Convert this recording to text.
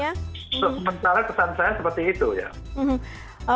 untuk sementara kesan saya seperti itu ya